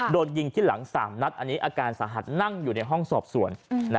โดนยิงที่หลัง๓นัดอันนี้อาการสาหัสนั่งอยู่ในห้องสอบสวน